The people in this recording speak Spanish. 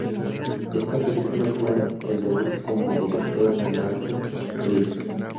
Esta película fue el debut como directora de Nancy Criss.